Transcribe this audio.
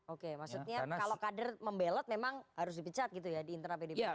oke maksudnya kalau kader membelot memang harus dipecat gitu ya di internal pdi perjuangan